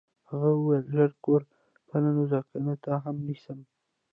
هغه وویل ژر کور ته ننوځه کنه تا هم نیسم